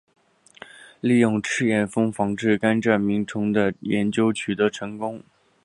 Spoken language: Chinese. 利用赤眼蜂防治甘蔗螟虫的研究取得成功。